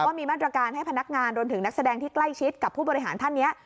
มีมาตรการให้พนักงานรวมถึงนักแสดงที่ใกล้ชิดกับผู้บริหารท่านนี้